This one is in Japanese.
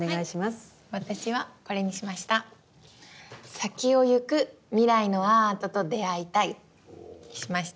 「さきをゆく未来のアートと出会いたい」にしました。